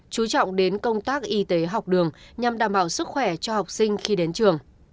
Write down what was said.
chú trọng đến công tác y tế học đường nhằm đảm bảo sức khỏe cho học sinh khi đến trường